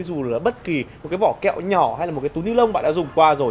dù là bất kỳ một cái vỏ kẹo nhỏ hay là một cái túi ni lông bạn đã dùng qua rồi